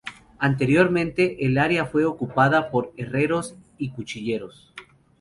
Anteriormente, el área fue ocupada por herreros y cuchilleros.